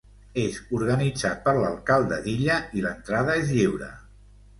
És organitzat per l'alcalde d'illa i l'entrada és lliure.